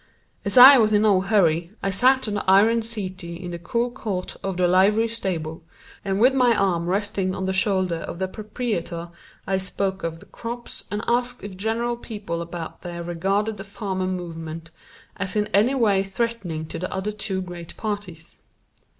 As I was in no hurry I sat on the iron settee in the cool court of the livery stable, and with my arm resting on the shoulder of the proprietor I spoke of the crops and asked if generally people about there regarded the farmer movement as in any way threatening to the other two great parties.